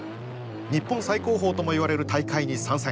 日本最高峰ともいわれる大会に参戦。